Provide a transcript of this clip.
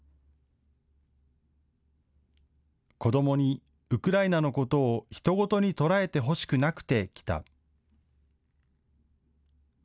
子どもにウクライナのことをひと事に捉えてほしくなくて来た。